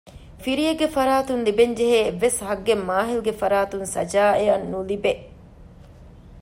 ފިރިއެއްގެ ފަރާތުން ލިބެންޖެހޭ އެއްވެސް ހައްގެއް މާހިލްގެ ފަރާތުން ސަޖާއަށް ނުލިބޭ